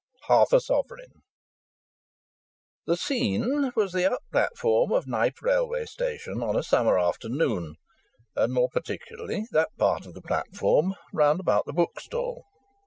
HALF A SOVEREIGN The scene was the up platform of Knype railway station on a summer afternoon, and, more particularly, that part of the platform round about the bookstall.